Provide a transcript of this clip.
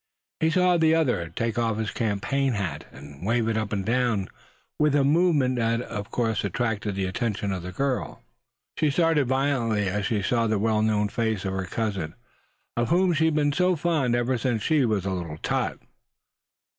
He saw the other take off his campaign hat, and wave it up and down with a movement that of course attracted the attention of the girl. She started violently as she saw that well known face of her cousin, of whom she had been so fond ever since she was a little tot.